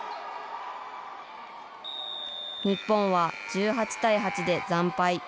日本は１８対８で惨敗。